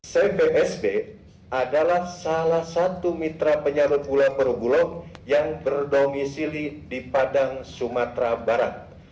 cvsb adalah salah satu mitra penyarut gula perum bulog yang berdomisili di padang sumatera barat